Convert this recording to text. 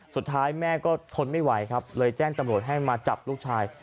สุดท้ายแม่ก็ทนไม่ไหวครับเลยแจ้งตำรวจให้มาจับลูกชาย